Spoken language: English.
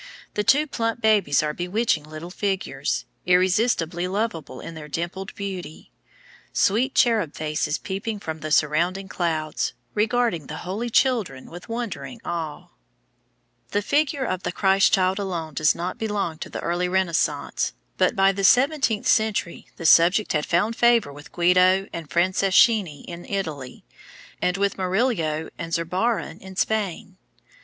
The two plump babies are bewitching little figures, irresistibly lovable in their dimpled beauty. Sweet cherub faces peep from the surrounding clouds, regarding the holy children with wondering awe. [Illustration: INFANT CHRIST AND SAINT JOHN. BOUCHER.] The figure of the Christ child alone does not belong to the early Renaissance, but by the seventeenth century, the subject had found favor with Guido and Franceschini in Italy, and with Murillo and Zurbaran in Spain.